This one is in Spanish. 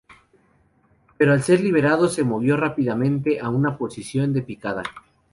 Pero al ser liberado, se movió rápidamente a una posición de picada.